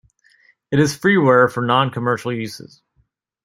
It is freeware for non-commercial uses.